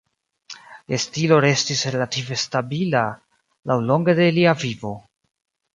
Lia stilo restis relative stabila laŭlonge de lia vivo.